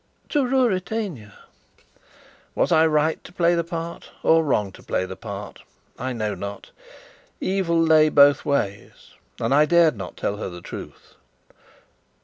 "To Ruritania." Was I right to play the part, or wrong to play the part? I know not: evil lay both ways, and I dared not tell her the truth.